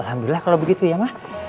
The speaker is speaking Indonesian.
wah alhamdulillah kalau begitu ya ma